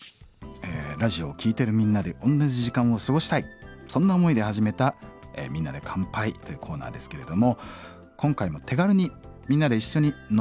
ラジオを聴いてるみんなでおんなじ時間を過ごしたいそんな思いで始めた「みんなで乾杯」というコーナーですけれども今回も手軽にみんなで一緒に飲み物を飲む。